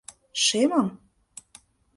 Шемым?